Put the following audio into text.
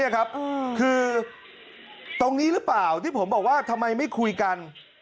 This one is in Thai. คือตรงนี้หรือเปล่าที่ผมบอกว่าทำไมไม่คุยกัน